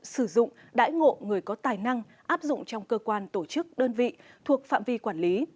sử dụng đãi ngộ người có tài năng áp dụng trong cơ quan tổ chức đơn vị thuộc phạm vi quản lý